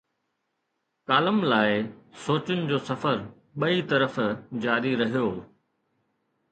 Column لاءِ، سوچن جو سفر ٻئي طرف جاري رهيو.